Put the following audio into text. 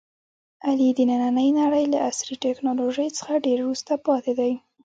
علي د نننۍ نړۍ له عصري ټکنالوژۍ څخه ډېر وروسته پاتې دی.